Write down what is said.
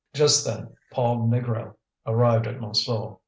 Just then Paul Négrel arrived at Montsou.